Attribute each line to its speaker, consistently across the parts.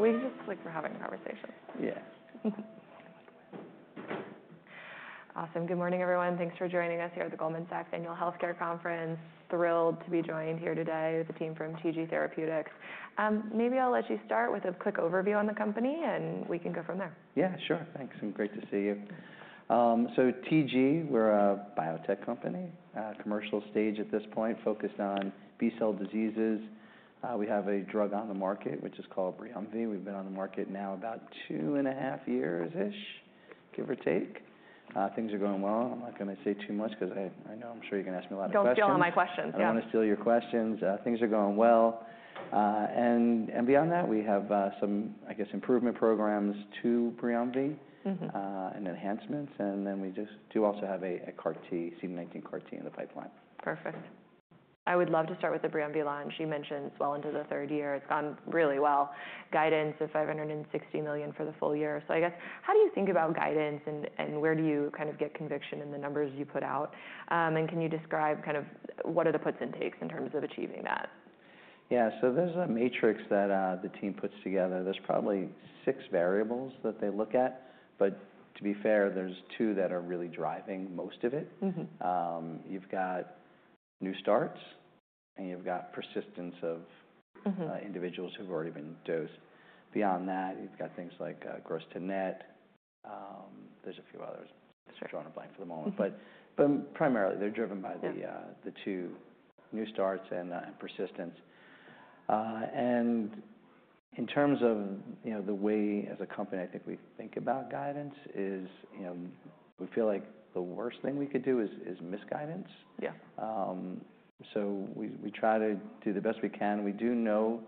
Speaker 1: We just clicked for having a conversation. Yeah. Awesome. Good morning, everyone. Thanks for joining us here at the Goldman Sachs Annual Healthcare Conference. Thrilled to be joined here today with a team from TG Therapeutics. Maybe I'll let you start with a quick overview on the company, and we can go from there. Yeah, sure. Thanks. Great to see you. TG, we're a biotech company, commercial stage at this point, focused on B cell diseases. We have a drug on the market, which is called BRIUMVI. We've been on the market now about two and a half years-ish, give or take. Things are going well. I'm not going to say too much because I know I'm sure you're going to ask me a lot of questions. Don't steal my questions. I don't want to steal your questions. Things are going well. Beyond that, we have some, I guess, improvement programs to BRIUMVI and enhancements. We just do also have a CAR T, CD19 CAR T in the pipeline. Perfect. I would love to start with the BRIUMVI launch. You mentioned it's well into the third year. It's gone really well. Guidance of $560 million for the full year. I guess, how do you think about guidance, and where do you kind of get conviction in the numbers you put out? Can you describe kind of what are the puts and takes in terms of achieving that? Yeah. So there's a matrix that the team puts together. There's probably six variables that they look at. To be fair, there's two that are really driving most of it. You've got new starts, and you've got persistence of individuals who've already been dosed. Beyond that, you've got things like gross to net. There's a few others. I'm drawing a blank for the moment. Primarily, they're driven by the two, new starts and persistence. In terms of the way, as a company, I think we think about guidance is we feel like the worst thing we could do is miss guidance. We try to do the best we can. We do know,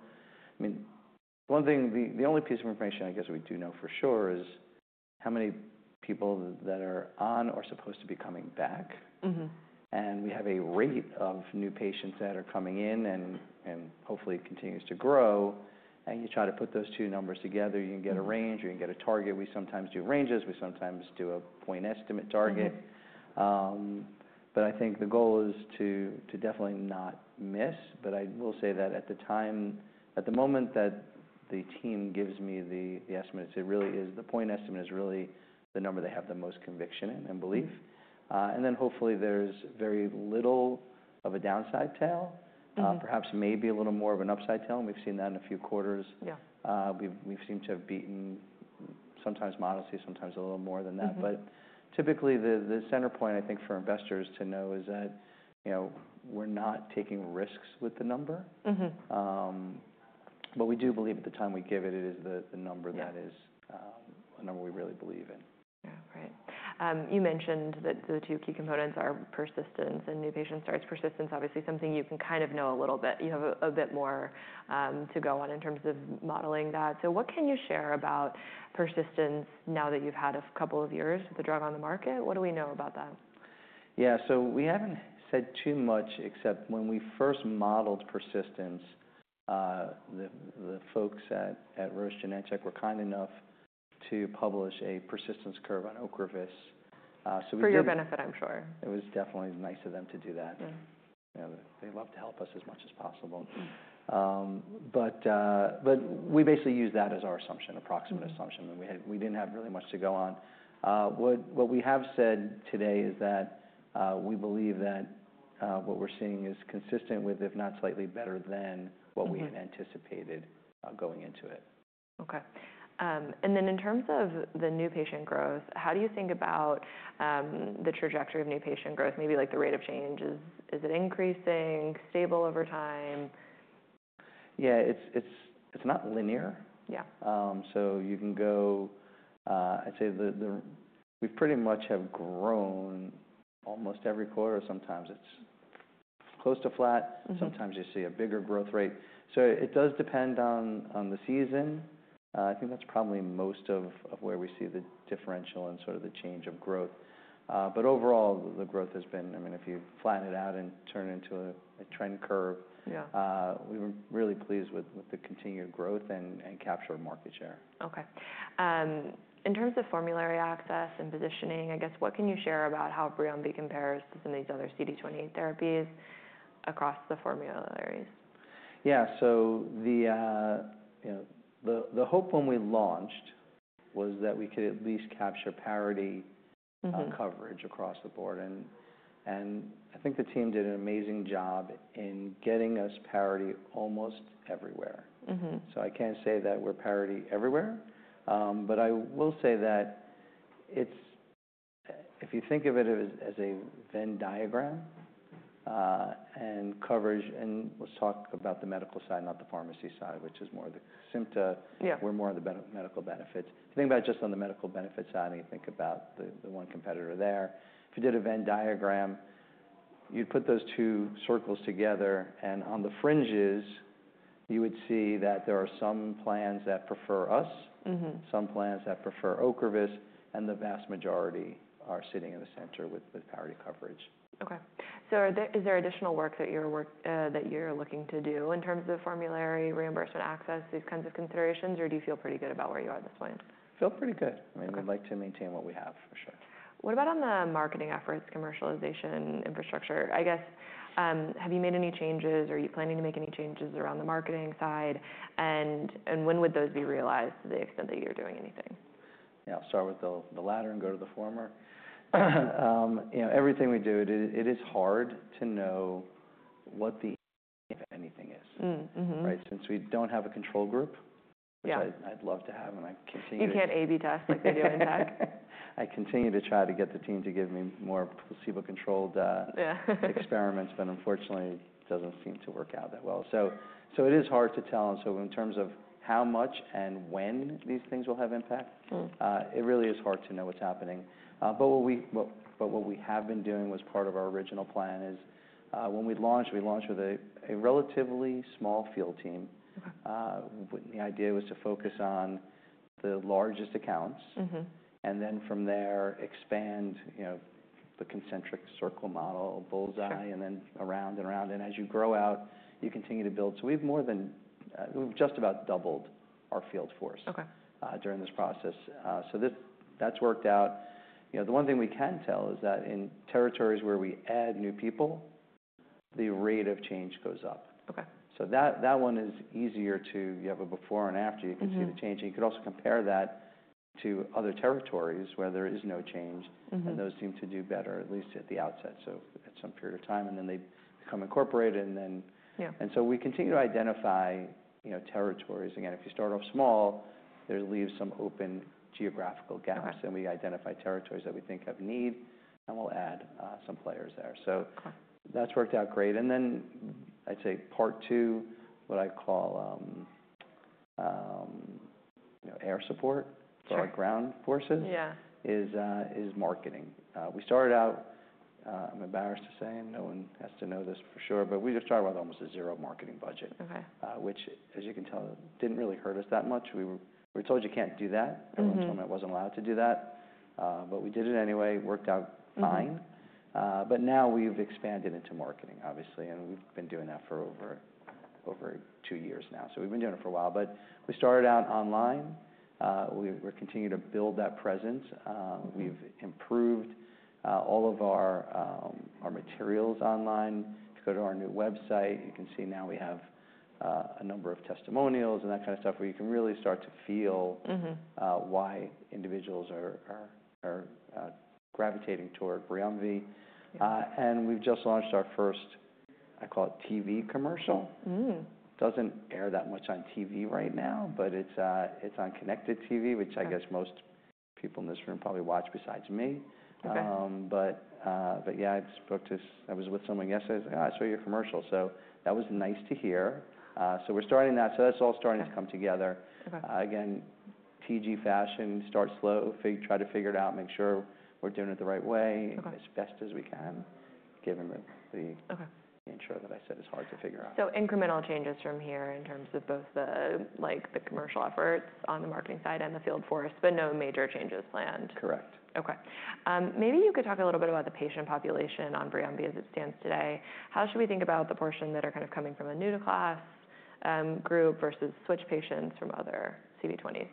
Speaker 1: I mean, one thing, the only piece of information, I guess, we do know for sure is how many people that are on are supposed to be coming back. We have a rate of new patients that are coming in, and hopefully it continues to grow. You try to put those two numbers together, you can get a range, or you can get a target. We sometimes do ranges. We sometimes do a point estimate target. I think the goal is to definitely not miss. I will say that at the time, at the moment that the team gives me the estimates, it really is the point estimate is really the number they have the most conviction in and belief. Hopefully there is very little of a downside tail, perhaps maybe a little more of an upside tail. We have seen that in a few quarters. We have seemed to have beaten sometimes modestly, sometimes a little more than that. Typically, the center point, I think, for investors to know is that we're not taking risks with the number. We do believe at the time we give it, it is the number that is a number we really believe in. Yeah. Right. You mentioned that the two key components are persistence and new patient starts. Persistence, obviously, something you can kind of know a little bit. You have a bit more to go on in terms of modeling that. What can you share about persistence now that you've had a couple of years with the drug on the market? What do we know about that? Yeah. So we haven't said too much, except when we first modeled persistence, the folks at Roche Genentech were kind enough to publish a persistence curve on OCREVUS. For your benefit, I'm sure. It was definitely nice of them to do that. They love to help us as much as possible. We basically used that as our assumption, approximate assumption. We did not have really much to go on. What we have said today is that we believe that what we are seeing is consistent with, if not slightly better than what we had anticipated going into it. Okay. In terms of the new patient growth, how do you think about the trajectory of new patient growth? Maybe like the rate of change. Is it increasing, stable over time? Yeah. It's not linear. You can go, I'd say we pretty much have grown almost every quarter. Sometimes it's close to flat. Sometimes you see a bigger growth rate. It does depend on the season. I think that's probably most of where we see the differential and sort of the change of growth. Overall, the growth has been, I mean, if you flatten it out and turn it into a trend curve, we were really pleased with the continued growth and capture of market share. Okay. In terms of formulary access and positioning, I guess, what can you share about how BRIUMVI compares to some of these other CD20 therapies across the formularies? Yeah. The hope when we launched was that we could at least capture parity coverage across the board. I think the team did an amazing job in getting us parity almost everywhere. I can't say that we're parity everywhere. I will say that if you think of it as a Venn diagram and coverage, and let's talk about the medical side, not the pharmacy side, which is more the KESIMPTA, we're more on the medical benefits. If you think about it just on the medical benefits side and you think about the one competitor there, if you did a Venn diagram, you'd put those two circles together. On the fringes, you would see that there are some plans that prefer us, some plans that prefer OCREVUS, and the vast majority are sitting in the center with parity coverage. Okay. Is there additional work that you're looking to do in terms of formulary reimbursement access, these kinds of considerations, or do you feel pretty good about where you are at this point? I feel pretty good. I mean, we'd like to maintain what we have, for sure. What about on the marketing efforts, commercialization, infrastructure? I guess, have you made any changes, or are you planning to make any changes around the marketing side? When would those be realized to the extent that you're doing anything? Yeah. I'll start with the latter and go to the former. Everything we do, it is hard to know what the, if anything, is, right? Since we do not have a control group, which I'd love to have, and I continue. You can't A/B test like they do in tech. I continue to try to get the team to give me more placebo-controlled experiments, but unfortunately, it does not seem to work out that well. It is hard to tell. In terms of how much and when these things will have impact, it really is hard to know what is happening. What we have been doing, which was part of our original plan, is when we launched, we launched with a relatively small field team. The idea was to focus on the largest accounts and then from there expand the concentric circle model, bullseye, and then around and around. As you grow out, you continue to build. We have just about doubled our field force during this process. That has worked out. The one thing we can tell is that in territories where we add new people, the rate of change goes up. That one is easier to, you have a before and after, you can see the change. You could also compare that to other territories where there is no change, and those seem to do better, at least at the outset, so at some period of time. They become incorporated. We continue to identify territories. Again, if you start off small, there leaves some open geographical gaps. We identify territories that we think have need, and we'll add some players there. That's worked out great. I'd say part two, what I call air support for our ground forces, is marketing. We started out, I'm embarrassed to say, and no one has to know this for sure, but we just started with almost a zero marketing budget, which, as you can tell, did not really hurt us that much. We were told you can't do that. Everyone told me I wasn't allowed to do that. But we did it anyway. It worked out fine. Now we've expanded into marketing, obviously. We've been doing that for over two years now. We've been doing it for a while. We started out online. We're continuing to build that presence. We've improved all of our materials online. If you go to our new website, you can see now we have a number of testimonials and that kind of stuff where you can really start to feel why individuals are gravitating toward BRIUMVI. We've just launched our first, I call it TV commercial. It doesn't air that much on TV right now, but it's on Connected TV, which I guess most people in this room probably watch besides me. Yeah, I spoke to, I was with someone yesterday. I was like, "Oh, I saw your commercial." That was nice to hear. We're starting that. That's all starting to come together. Again, TG fashion, start slow, try to figure it out, make sure we're doing it the right way as best as we can, given the insurer that I said is hard to figure out. Incremental changes from here in terms of both the commercial efforts on the marketing side and the field force, but no major changes planned. Correct. Okay. Maybe you could talk a little bit about the patient population on BRIUMVI as it stands today. How should we think about the portion that are kind of coming from a new-to-class group versus switch patients from other CD20s?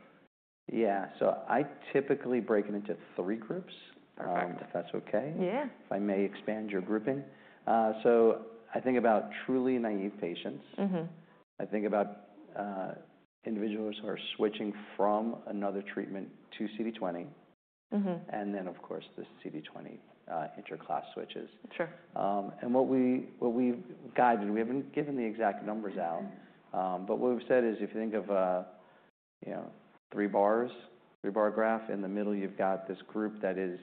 Speaker 1: Yeah. So I typically break it into three groups, if that's okay. Yeah. If I may expand your grouping. I think about truly naive patients. I think about individuals who are switching from another treatment to CD20. Of course, the CD20 interclass switches. What we've guided, we haven't given the exact numbers out. What we've said is if you think of three bars, three-bar graph, in the middle you've got this group that is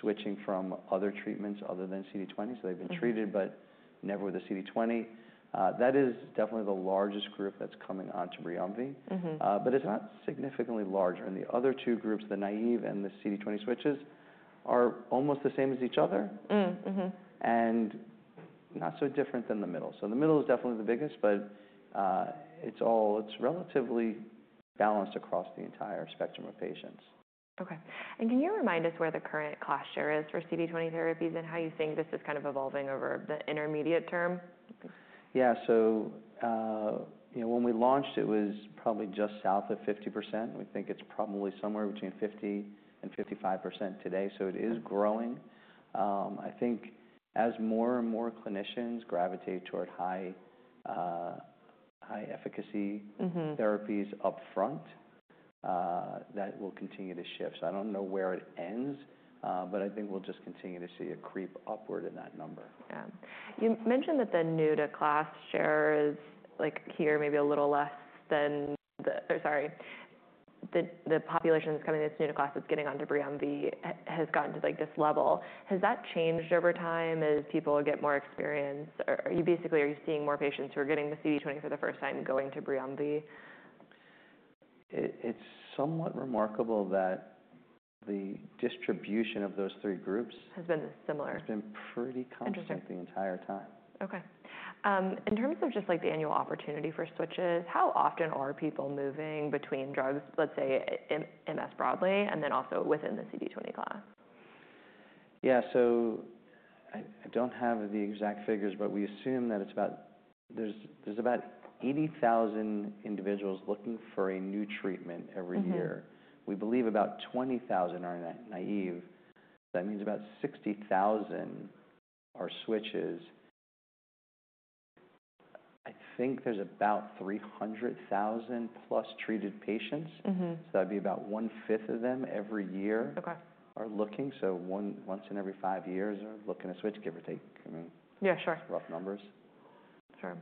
Speaker 1: switching from other treatments other than CD20. They've been treated, but never with a CD20. That is definitely the largest group that's coming onto BRIUMVI. It's not significantly larger. The other two groups, the naive and the CD20 switches, are almost the same as each other and not so different than the middle. The middle is definitely the biggest, but it's relatively balanced across the entire spectrum of patients. Okay. Can you remind us where the current cost share is for CD20 therapies and how you think this is kind of evolving over the intermediate term? Yeah. When we launched, it was probably just south of 50%. We think it's probably somewhere between 50 and 55% today. It is growing. I think as more and more clinicians gravitate toward high-efficacy therapies upfront, that will continue to shift. I do not know where it ends, but I think we will just continue to see a creep upward in that number. Yeah. You mentioned that the new-to-class share is here maybe a little less than the, or sorry, the population that's coming that's new-to-class that's getting onto BRIUMVI has gotten to this level. Has that changed over time as people get more experience? Or basically, are you seeing more patients who are getting the CD20 for the first time going to BRIUMVI? It's somewhat remarkable that the distribution of those three groups. Has been similar. Has been pretty constant the entire time. Interesting. Okay. In terms of just the annual opportunity for switches, how often are people moving between drugs, let's say MS broadly, and then also within the CD20 class? Yeah. So I do not have the exact figures, but we assume that it is about, there is about 80,000 individuals looking for a new treatment every year. We believe about 20,000 are naive. That means about 60,000 are switches. I think there is about 300,000 plus treated patients. That would be about 1/5 of them every year are looking. Once in every five years are looking to switch, give or take. I mean, rough numbers. Sure.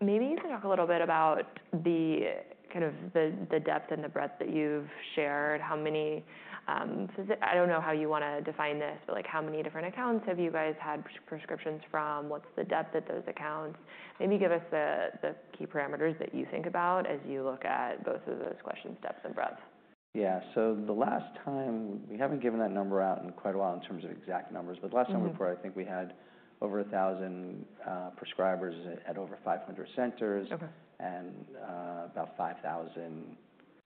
Speaker 1: Maybe you can talk a little bit about kind of the depth and the breadth that you've shared. How many, I don't know how you want to define this, but how many different accounts have you guys had prescriptions from? What's the depth at those accounts? Maybe give us the key parameters that you think about as you look at both of those questions, depth and breadth. Yeah. The last time, we have not given that number out in quite a while in terms of exact numbers. The last time we reported, I think we had over 1,000 prescribers at over 500 centers and about 5,000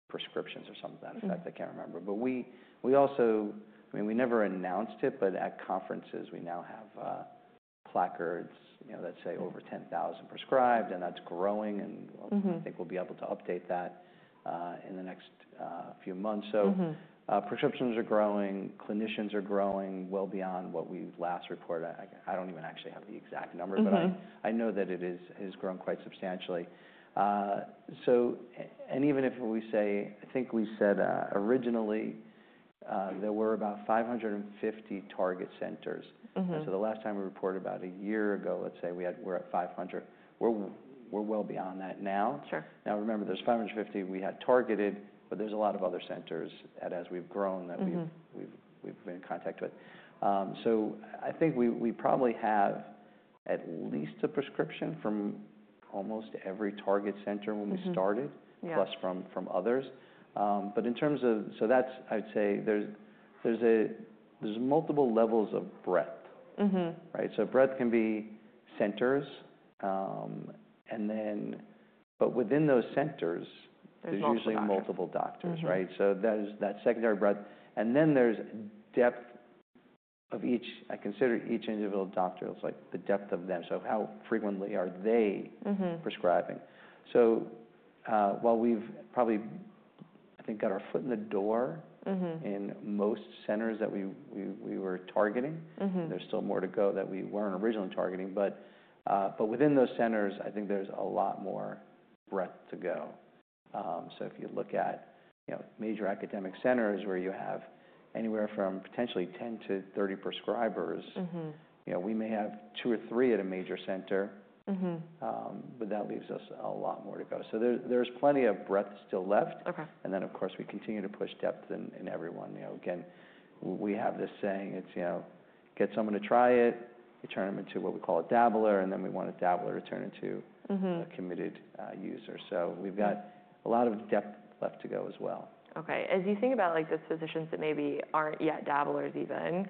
Speaker 1: prescriptions or something to that effect. I cannot remember. We also, I mean, we never announced it, but at conferences, we now have placards that say over 10,000 prescribed, and that is growing. I think we will be able to update that in the next few months. Prescriptions are growing. Clinicians are growing well beyond what we last reported. I do not even actually have the exact number, but I know that it has grown quite substantially. Even if we say, I think we said originally there were about 550 target centers. The last time we reported about a year ago, let us say we are at 500. We're well beyond that now. Now, remember, there's 550 we had targeted, but there's a lot of other centers that, as we've grown, that we've been in contact with. I think we probably have at least a prescription from almost every target center when we started, plus from others. In terms of, so that's, I'd say there's multiple levels of breadth, right? Breadth can be centers, and then, but within those centers, there's usually multiple doctors, right? There's that secondary breadth. Then there's depth of each, I consider each individual doctor, it's like the depth of them. How frequently are they prescribing? While we've probably, I think, got our foot in the door in most centers that we were targeting, there's still more to go that we weren't originally targeting. Within those centers, I think there's a lot more breadth to go. If you look at major academic centers where you have anywhere from potentially 10-30 prescribers, we may have two or three at a major center, but that leaves us a lot more to go. There is plenty of breadth still left. Of course, we continue to push depth in everyone. Again, we have this saying, it's get someone to try it, you turn them into what we call a dabbler, and then we want a dabbler to turn into a committed user. We have a lot of depth left to go as well. Okay. As you think about those physicians that maybe aren't yet dabblers even,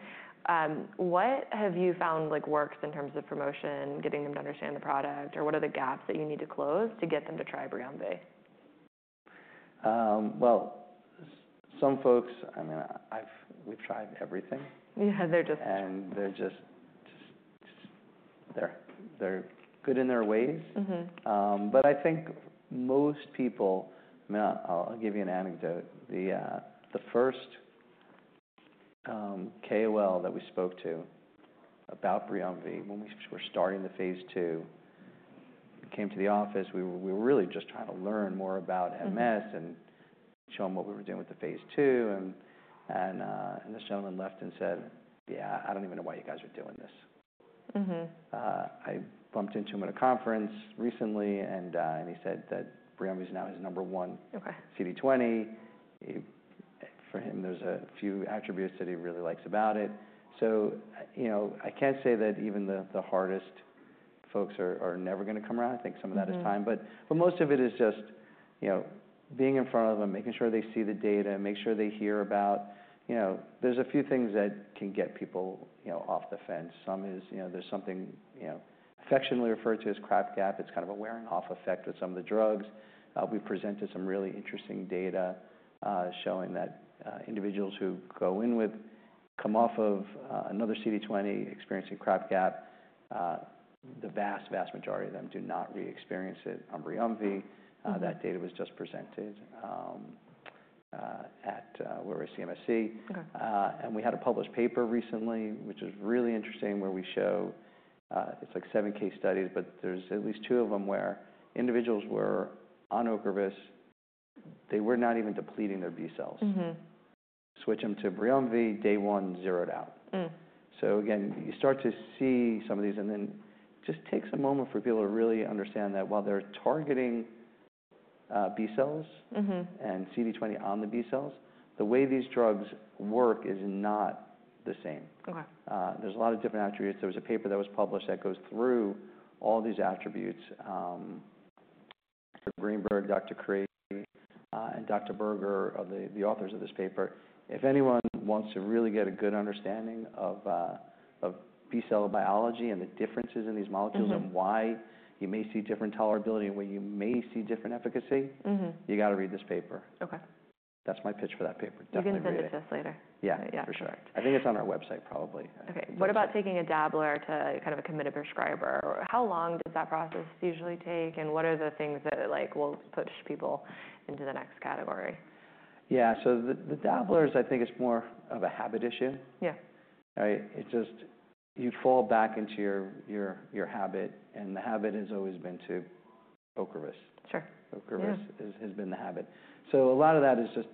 Speaker 1: what have you found works in terms of promotion, getting them to understand the product, or what are the gaps that you need to close to get them to try BRIUMVI? Some folks, I mean, we've tried everything. Yeah. They're just. They're just, they're good in their ways. I think most people, I mean, I'll give you an anecdote. The first KOL that we spoke to about BRIUMVI, when we were starting the phase II, came to the office. We were really just trying to learn more about MS and show them what we were doing with the phase II. This gentleman left and said, "Yeah, I don't even know why you guys are doing this." I bumped into him at a conference recently, and he said that BRIUMVI is now his number one CD20. For him, there are a few attributes that he really likes about it. I can't say that even the hardest folks are never going to come around. I think some of that is time. Most of it is just being in front of them, making sure they see the data, make sure they hear about, there's a few things that can get people off the fence. Some is there's something affectionately referred to as crap gap. It's kind of a wearing-off effect with some of the drugs. We've presented some really interesting data showing that individuals who go in with, come off of another CD20 experiencing crap gap, the vast, vast majority of them do not re-experience it on BRIUMVI. That data was just presented at where we're at CMSC. We had a published paper recently, which was really interesting, where we show, it's like seven case studies, but there's at least two of them where individuals were on OCREVUS, they were not even depleting their B cells. Switch them to BRIUMVI, day one, zeroed out. Again, you start to see some of these, and then it just takes a moment for people to really understand that while they're targeting B cells and CD20 on the B cells, the way these drugs work is not the same. There's a lot of different attributes. There was a paper that was published that goes through all these attributes. Dr. Greenberg, Dr. Craig, and Dr. Berger, the authors of this paper, if anyone wants to really get a good understanding of B cell biology and the differences in these molecules and why you may see different tolerability and why you may see different efficacy, you got to read this paper. That's my pitch for that paper. You can send it to us later. Yeah. For sure. I think it's on our website probably. Okay. What about taking a dabbler to kind of a committed prescriber? How long does that process usually take, and what are the things that will push people into the next category? Yeah. So the dabblers, I think it's more of a habit issue. It's just you fall back into your habit, and the habit has always been to OCREVUS. OCREVUS has been the habit. A lot of that is just,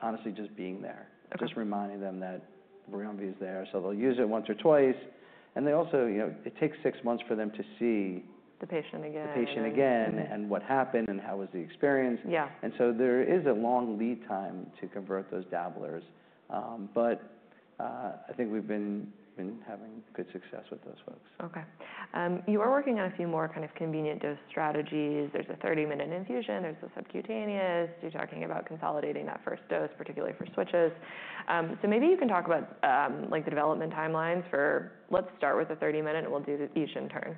Speaker 1: honestly, just being there. Just reminding them that BRIUMVI is there. They'll use it once or twice. It also takes six months for them to see. The patient again. The patient again and what happened and how was the experience. There is a long lead time to convert those dabblers. I think we've been having good success with those folks. Okay. You are working on a few more kind of convenient dose strategies. There is a 30-minute infusion. There is the SUB-Qtaneous. You are talking about consolidating that first dose, particularly for switches. Maybe you can talk about the development timelines for, let's start with the 30-minute and we will do each in turn.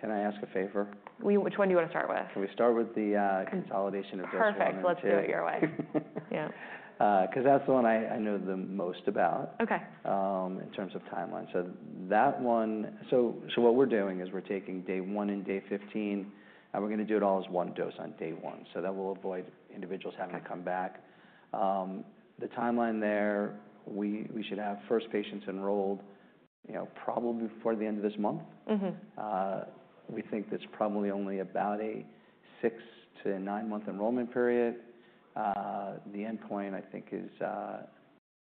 Speaker 1: Can I ask a favor? Which one do you want to start with? Can we start with the consolidation of dose? Perfect. Let's do it your way. Yeah. Because that's the one I know the most about in terms of timeline. So that one, what we're doing is we're taking day one and day 15, and we're going to do it all as one dose on day one. That will avoid individuals having to come back. The timeline there, we should have first patients enrolled probably before the end of this month. We think that's probably only about a six to nine-month enrollment period. The endpoint, I think, is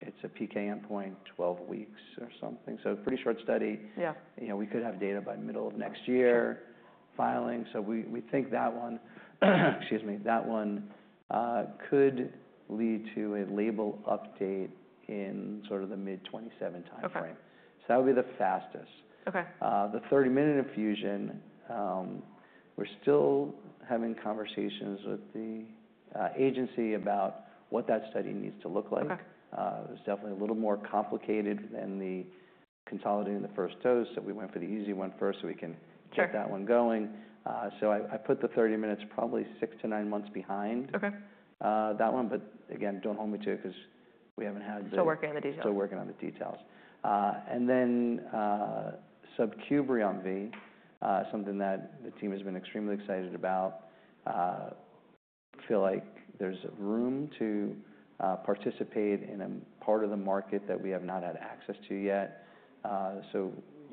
Speaker 1: it's a PK endpoint, 12 weeks or something. Pretty short study. We could have data by middle of next year filing. We think that one, excuse me, that one could lead to a label update in sort of the mid-2027 timeframe. That would be the fastest. The 30-minute infusion, we're still having conversations with the agency about what that study needs to look like. It's definitely a little more complicated than consolidating the first dose. So we went for the easy one first so we can get that one going. I put the 30 minutes probably six to nine months behind that one. Again, don't hold me to it because we haven't had the. Still working on the details. Still working on the details. SUB-Q BRIUMVI, something that the team has been extremely excited about. I feel like there's room to participate in a part of the market that we have not had access to yet.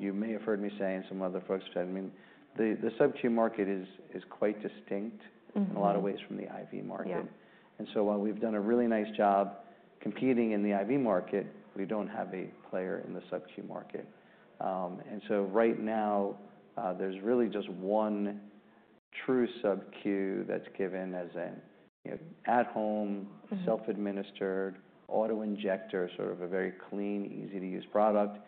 Speaker 1: You may have heard me saying, some other folks said, "I mean, the SUB-Q market is quite distinct in a lot of ways from the IV market." While we've done a really nice job competing in the IV market, we don't have a player in the SUB-Q market. Right now, there's really just one true SUB-Q that's given as an at-home, self-administered, auto injector, sort of a very clean, easy-to-use product.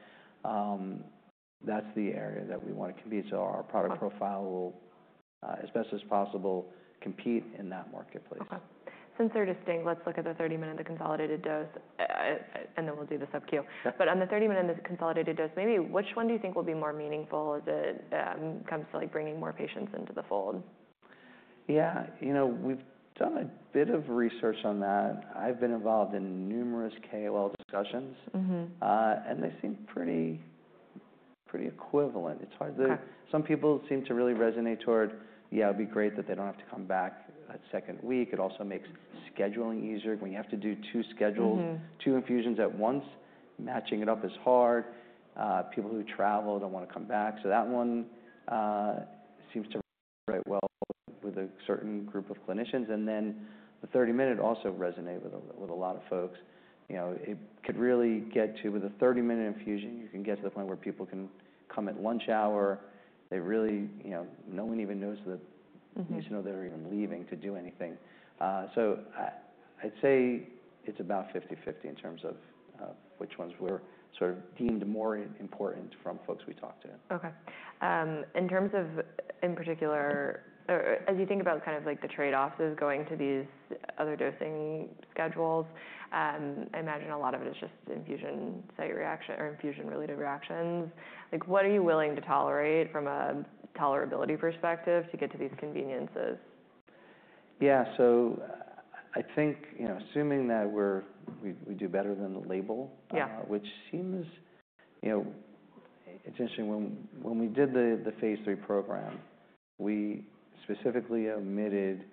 Speaker 1: That's the area that we want to compete. Our product profile will, as best as possible, compete in that marketplace. Since they're distinct, let's look at the 30-minute, the consolidated dose, and then we'll do the SUB-Q. On the 30-minute and the consolidated dose, maybe which one do you think will be more meaningful as it comes to bringing more patients into the fold? Yeah. We've done a bit of research on that. I've been involved in numerous KOL discussions, and they seem pretty equivalent. It's hard. Some people seem to really resonate toward, "Yeah, it'd be great that they don't have to come back a second week." It also makes scheduling easier. When you have to do two schedules, two infusions at once, matching it up is hard. People who travel don't want to come back. That one seems to write well with a certain group of clinicians. The 30-minute also resonates with a lot of folks. It could really get to, with a 30-minute infusion, you can get to the point where people can come at lunch hour. No one even knows that they need to know they're even leaving to do anything. I'd say it's about 50/50 in terms of which ones were sort of deemed more important from folks we talked to. Okay. In terms of, in particular, as you think about kind of the trade-offs of going to these other dosing schedules, I imagine a lot of it is just infusion site reaction or infusion-related reactions. What are you willing to tolerate from a tolerability perspective to get to these conveniences? Yeah. So I think assuming that we do better than the label, which seems essentially, when we did the phase III program, we specifi`cally omitted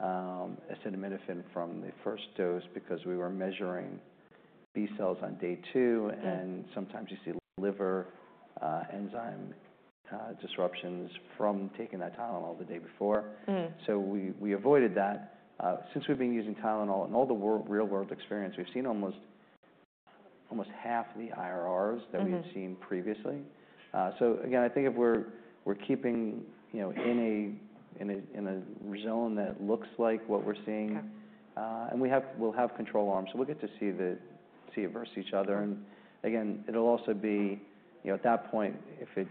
Speaker 1: acetaminophen from the first dose because we were measuring B cells on day two, and sometimes you see liver enzyme disruptions from taking that Tylenol the day before. So we avoided that. Since we've been using Tylenol and all the real-world experience, we've seen almost half the IRRs that we had seen previously. So again, I think if we're keeping in a zone that looks like what we're seeing, and we'll have control arms, so we'll get to see versus each other. And again, it'll also be at that point, if it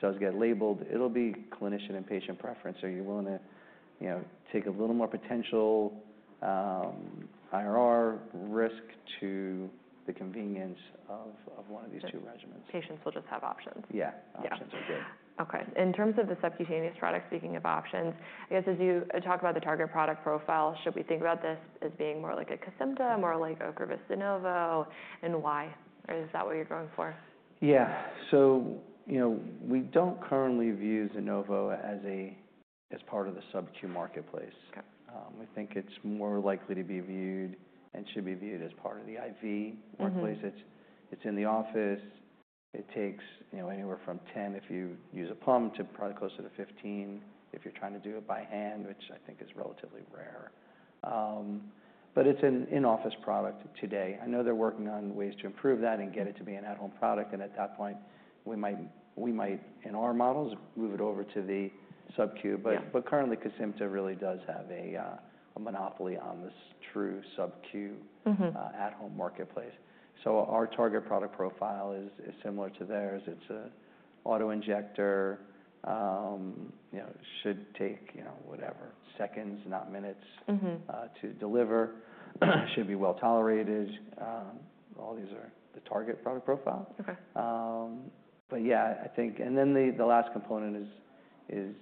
Speaker 1: does get labeled, it'll be clinician and patient preference. Are you willing to take a little more potential IRR risk to the convenience of one of these two regimens? Patients will just have options. Yeah. Options are good. Okay. In terms of the subcutaneous product, speaking of options, I guess as you talk about the target product profile, should we think about this as being more like a KESIMPTA, more like OCREVUS ZUNOVO, and why? Is that what you're going for? Yeah. We do not currently view ZUNOVO as part of the SUB-Q marketplace. We think it is more likely to be viewed and should be viewed as part of the IV workplace. It is in the office. It takes anywhere from 10 if you use a plum to probably closer to 15 if you are trying to do it by hand, which I think is relatively rare. It is an in-office product today. I know they are working on ways to improve that and get it to be an at-home product. At that point, we might, in our models, move it over to the SUB-Q. Currently, KESIMPTA really does have a monopoly on this true SUB-Q at-home marketplace. Our target product profile is similar to theirs. It is an auto injector. It should take, whatever, seconds, not minutes, to deliver. It should be well tolerated. All these are the target product profile. Yeah, I think, and then the last component is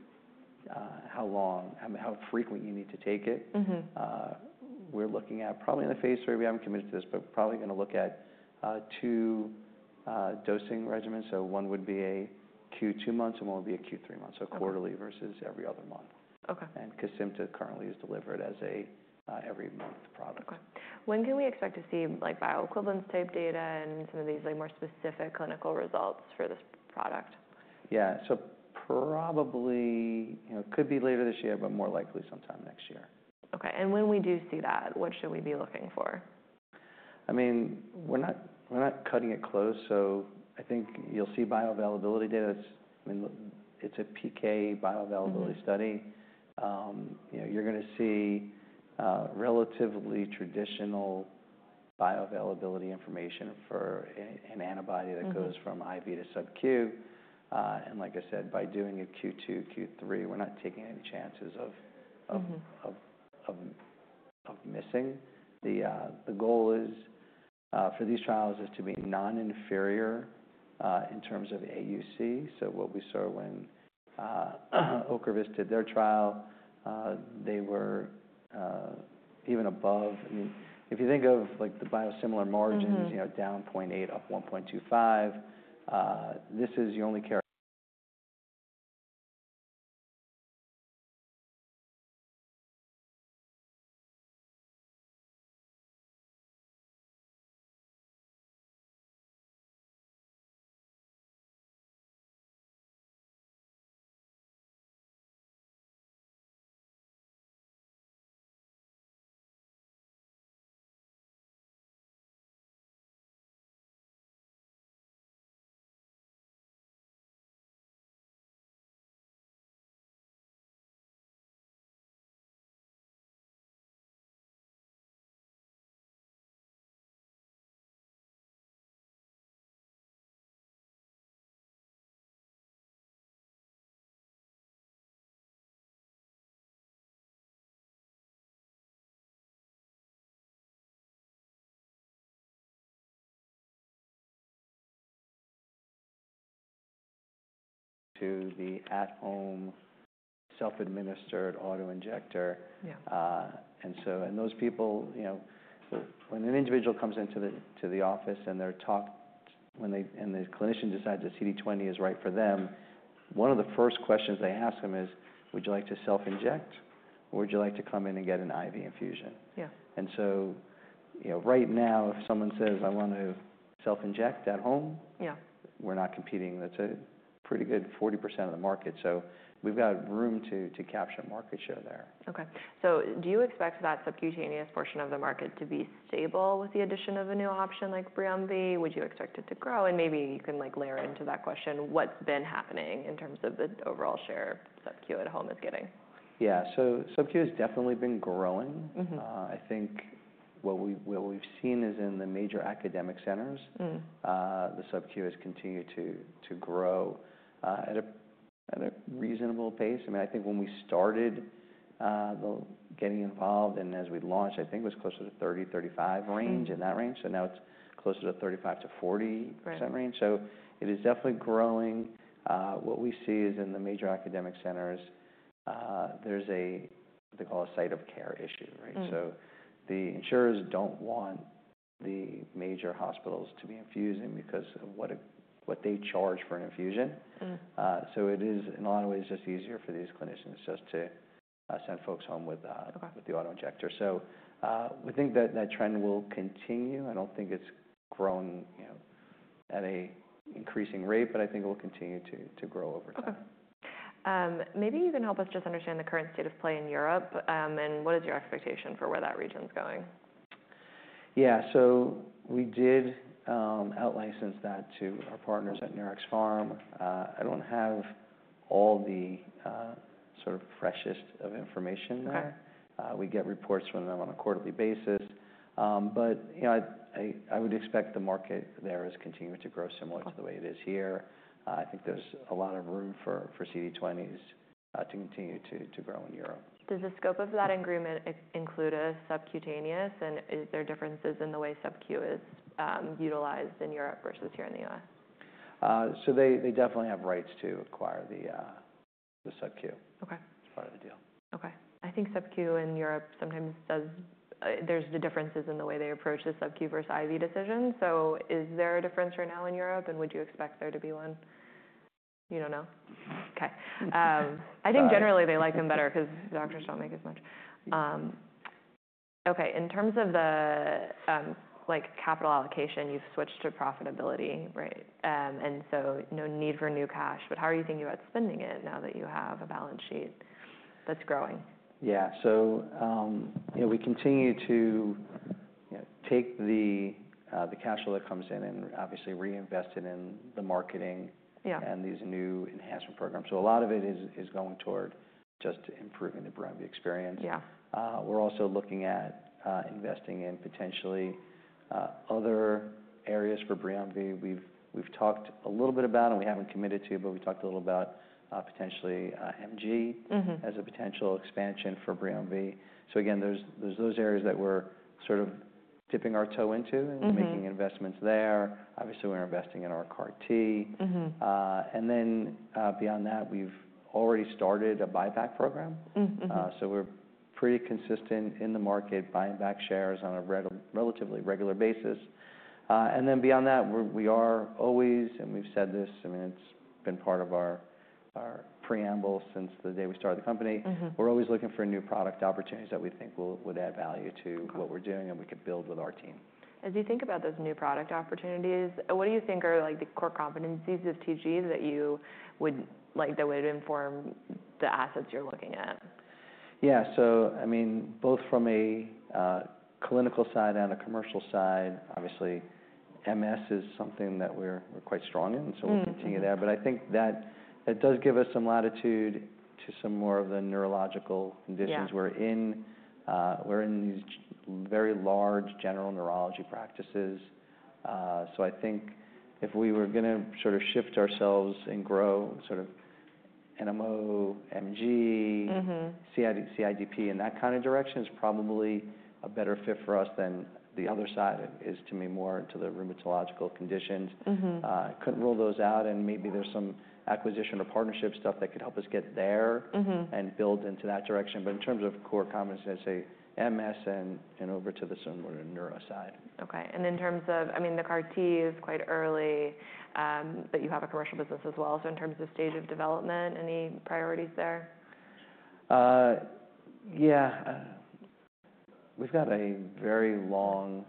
Speaker 1: how long, how frequent you need to take it. We're looking at probably in the phase III, we haven't committed to this, but probably going to look at two dosing regimens. One would be a Q2 months and one would be a Q3 months, so quarterly versus every other month. KESIMPTA currently is delivered as an every month product. Okay. When can we expect to see bioequivalence type data and some of these more specific clinical results for this product? Yeah. So probably it could be later this year, but more likely sometime next year. Okay. When we do see that, what should we be looking for? I mean, we're not cutting it close. I think you'll see bioavailability data. It's a PK bioavailability study. You're going to see relatively traditional bioavailability information for an antibody that goes from IV to SUB-Q. Like I said, by doing a Q2, Q3, we're not taking any chances of missing. The goal for these trials is to be non-inferior in terms of AUC. What we saw when OCREVUS did their trial, they were even above. If you think of the biosimilar margins, down 0.8, up 1.25, this is your only. To the at-home self-administered auto injector. Those people, when an individual comes into the office and they're talked, and the clinician decides that CD20 is right for them, one of the first questions they ask them is, "Would you like to self-inject or would you like to come in and get an IV infusion?" Right now, if someone says, "I want to self-inject at home," we're not competing. That's a pretty good 40% of the market. We've got room to capture market share there. Okay. So do you expect that subcutaneous portion of the market to be stable with the addition of a new option like BRIUMVI? Would you expect it to grow? Maybe you can layer into that question, what's been happening in terms of the overall share SUB-Q at home is getting? Yeah. So SUB-Q has definitely been growing. I think what we've seen is in the major academic centers, the SUB-Q has continued to grow at a reasonable pace. I mean, I think when we started getting involved and as we launched, I think it was closer to 30%-35% range, in that range. So now it's closer to 35%-40% range. So it is definitely growing. What we see is in the major academic centers, there's a, what they call a site of care issue. So the insurers don't want the major hospitals to be infusing because of what they charge for an infusion. So it is, in a lot of ways, just easier for these clinicians just to send folks home with the auto injector. So we think that that trend will continue. I don't think it's grown at an increasing rate, but I think it will continue to grow over time. Okay. Maybe you can help us just understand the current state of play in Europe and what is your expectation for where that region is going? Yeah. We did out-license that to our partners at Nuraxpharm. I do not have all the sort of freshest of information there. We get reports from them on a quarterly basis. I would expect the market there is continuing to grow similar to the way it is here. I think there is a lot of room for CD20s to continue to grow in Europe. Does the scope of that agreement include a subcutaneous? And are there differences in the way SUB-Q is utilized in Europe versus here in the U.S.? They definitely have rights to acquire the SUB-Q. It's part of the deal. Okay. I think SUB-Q in Europe sometimes does, there's the differences in the way they approach the SUB-Q versus IV decision. Is there a difference right now in Europe? Would you expect there to be one? You don't know? Okay. I think generally they like them better because doctors don't make as much. In terms of the capital allocation, you've switched to profitability, right? No need for new cash. How are you thinking about spending it now that you have a balance sheet that's growing? Yeah. We continue to take the cash flow that comes in and obviously reinvest it in the marketing and these new enhancement programs. A lot of it is going toward just improving the BRIUMVI experience. We're also looking at investing in potentially other areas for BRIUMVI. We've talked a little bit about it and we haven't committed to, but we talked a little about potentially MG as a potential expansion for BRIUMVI. Again, there are those areas that we're sort of dipping our toe into and making investments there. Obviously, we're investing in our CAR T. Beyond that, we've already started a buyback program. We're pretty consistent in the market buying back shares on a relatively regular basis. Beyond that, we are always, and we've said this, I mean, it's been part of our preamble since the day we started the company. We're always looking for new product opportunities that we think would add value to what we're doing and we could build with our team. As you think about those new product opportunities, what do you think are the core competencies of TG that would inform the assets you're looking at? Yeah. So I mean, both from a clinical side and a commercial side, obviously, MS is something that we're quite strong in. So we'll continue there. I think that does give us some latitude to some more of the neurological conditions. We're in these very large general neurology practices. I think if we were going to sort of shift ourselves and grow sort of NMO, MG, CIDP, and that kind of direction is probably a better fit for us than the other side is to me more to the rheumatological conditions. Couldn't rule those out. Maybe there's some acquisition or partnership stuff that could help us get there and build into that direction. In terms of core competencies, I'd say MS and over to the neuro side. Okay. In terms of, I mean, the CAR T is quite early, but you have a commercial business as well. In terms of stage of development, any priorities there? Yeah. We've got a very long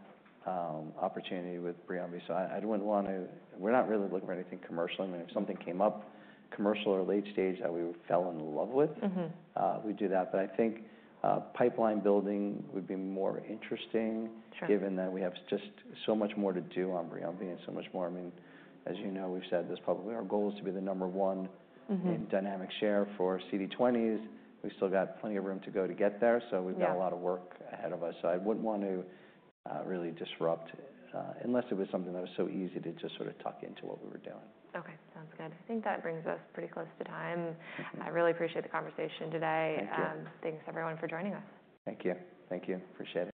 Speaker 1: opportunity with BRIUMVI. I wouldn't want to, we're not really looking for anything commercial. I mean, if something came up commercial or late stage that we fell in love with, we'd do that. I think pipeline building would be more interesting given that we have just so much more to do on BRIUMVI and so much more. I mean, as you know, we've said this publicly, our goal is to be the number one in dynamic share for CD20s. We've still got plenty of room to go to get there. We've got a lot of work ahead of us. I wouldn't want to really disrupt unless it was something that was so easy to just sort of tuck into what we were doing. Okay. Sounds good. I think that brings us pretty close to time. I really appreciate the conversation today. Thanks, everyone, for joining us. Thank you. Thank you. Appreciate it.